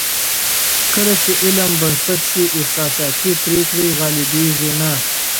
کله چې علم بنسټ شي، احساساتي پرېکړې غالبېږي نه.